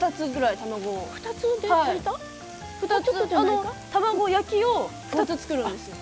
あの卵焼きを２つ作るんですよ。